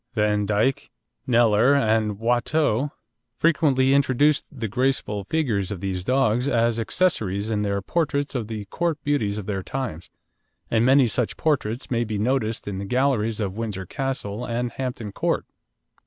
Vandyck, Kneller, and Watteau frequently introduced the graceful figures of these dogs as accessories in their portraits of the Court beauties of their times, and many such portraits may be noticed in the galleries of Windsor Castle and Hampton Court.